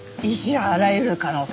あああらゆる可能性。